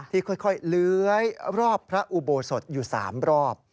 ค่อยเลื้อยรอบพระอุโบสถอยู่๓รอบ